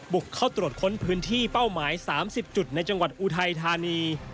บุกเข้าตรวจค้นพื้นที่เป้าหมาย๓๐จุดในจังหวัดอุทัยธานี